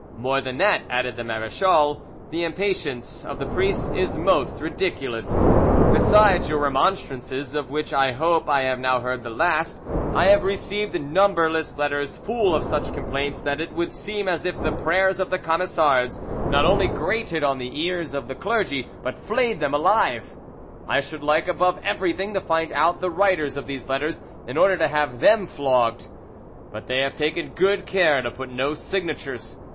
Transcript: "More than that," added the marechal, "the impatience of the priests is most ridiculous. Besides your remonstrances, of which I hope I have now heard the last, I have received numberless letters full of such complaints that it would seem as if the prayers of the Camisards not only grated on the ears of the clergy but flayed them alive. I should like above everything to find out the writers of these letters, in order to have them flogged; but they have taken good care to put no signatures.